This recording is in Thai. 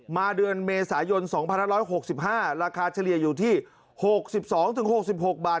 มาเดือนเมษายนสองพันร้อยหกสิบห้าราคาเฉลี่ยอยู่ที่หกสิบสองถึงหกสิบหกบาท